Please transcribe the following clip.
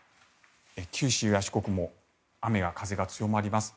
九州や四国も雨や風が強まります。